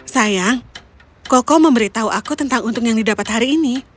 sayang koko memberitahu aku tentang untung yang didapat hari ini